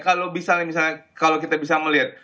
kalau misalnya misalnya kalau kita bisa melihat